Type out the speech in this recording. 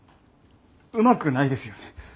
うまくないですよね。